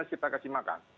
kita kasih makan